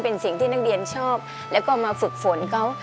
เป็นสิ่งที่นักเรียนชอบแล้วก็มาฝึกฝนเขา